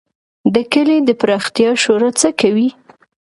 د کلي د پراختیا شورا څه کوي؟